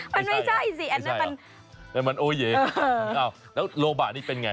มันไม่ใช่สิอันนั้นมันโอเยแล้วโลบะนี่เป็นไง